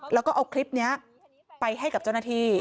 แล้วก็เอาคลิปนี้ไปให้กับเจ้าหน้าที่